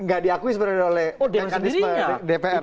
nggak diakui sebenarnya oleh mekanisme dpr